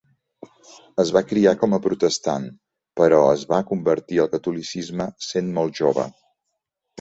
Es va criar com a protestant però es va convertir al catolicisme sent molt jove.